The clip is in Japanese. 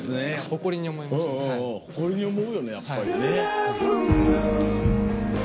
誇りに思うよねやっぱりね。